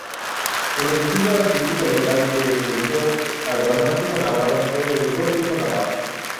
El estilo artístico local que siguió al Románico navarro fue el Gótico navarro.